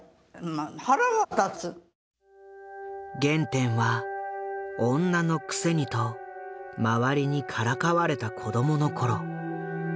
原点は「女のくせに」と周りにからかわれた子どもの頃。